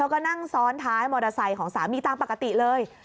แล้วก็นั่งซ้อนท้ายมอเตอร์ไซค์ของสามีตามปกติเลย